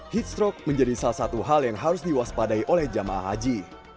heatstroke menjadi salah satu hal yang harus diwaspadai oleh jamaah haji